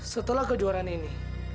setelah kejuaraan ini